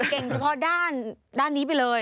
เก่งเฉพาะด้านนี้ไปเลย